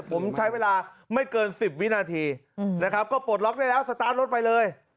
ผมใช้เวลาไม่เกิน๑๐วินาทีนะครับก็ปลดล็อกได้แล้วสตาร์ทรถไปเลย